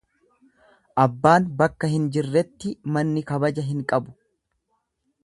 Abbaan bakka hin jirretti manni kabaja hin qabu.